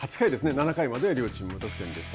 ７回までは両チーム無得点でした。